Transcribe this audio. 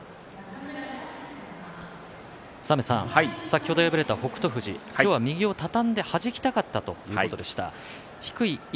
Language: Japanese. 先ほど敗れた北勝富士今日は右を畳んではじきたかったということでした。